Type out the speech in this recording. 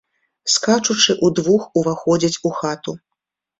Скачучы, удвух уваходзяць у хату.